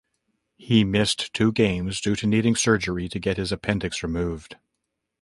He missed two games due to needing surgery to get his appendix removed.